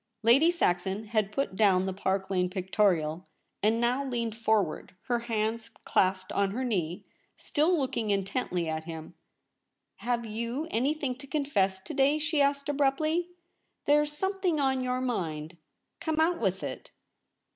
Lady Saxon had put dow^n the Park Lane Pictorial, and now leaned forward, her hands clasped on her knee, still looking intently at him. ' Have you anything to confess to day ?' she asked abruptly. ' There's some thing on your mind. Come, out with it.'